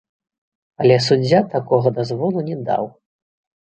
Але суддзя такога дазволу не даў.